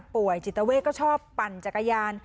ป่วยจิตเวทก็ชอบปั่นจักรยาน